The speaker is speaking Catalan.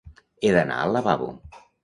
He d'anar al lavabo.